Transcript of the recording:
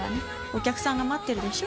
お客さんが待ってるでしょ。